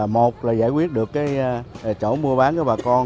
một là giải quyết được cái chỗ mua bán của bà con